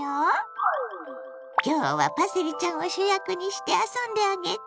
今日はパセリちゃんを主役にして遊んであげて！